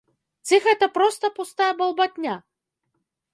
Ці гэта проста пустая балбатня?